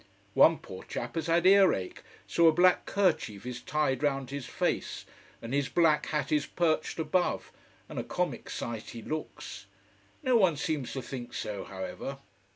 One poor chap has had earache, so a black kerchief is tied round his face, and his black hat is perched above, and a comic sight he looks. No one seems to think so, however.